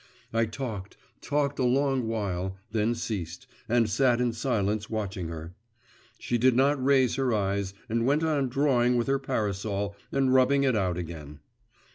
I talked, talked a long while, then ceased, and sat in silence watching her.… She did not raise her eyes, and went on drawing with her parasol and rubbing it out again.